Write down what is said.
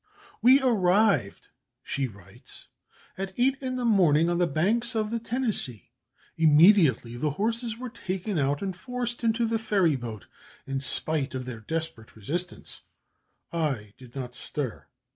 "We arrived," she writes, "at eight in the morning on the banks of the Tenisci; immediately the horses were taken out and forced into the ferry boat, in spite of their desperate resistance I did not stir.